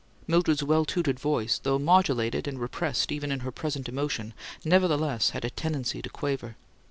Mildred's well tutored voice, though modulated and repressed even in her present emotion, nevertheless had a tendency to quaver.